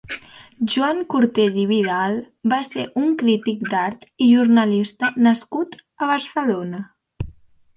Joan Cortés i Vidal va ser un crític d'art i jornalista nascut a Barcelona.